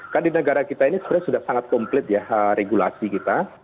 kan di negara kita ini sebenarnya sudah sangat komplit ya regulasi kita